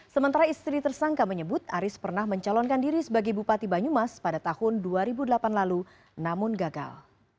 sementara istri tersangka menyebut aris pernah mencalonkan diri sebagai bupati banyumas pada tahun dua ribu delapan lalu namun gagal